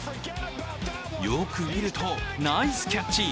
よく見ると、ナイスキャッチ。